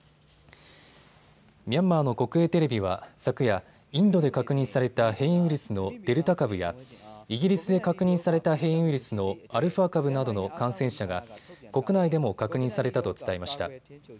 ミャンマーの国営テレビは昨夜、インドで確認された変異ウイルスのデルタ株やイギリスで確認された変異ウイルスのアルファ株などの感染者が国内でも確認されたと伝えました。